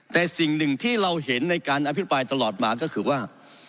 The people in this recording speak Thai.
แต่สิ่งหนึ่งที่เราเห็นในการอภิปรายตลอดมาก็คือว่า